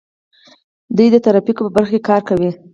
دوی د ترافیکو په برخه کې کار کوي.